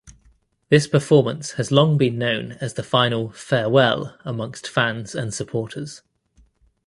This performance has long been known as the final "Farewell" amongst fans and supporters.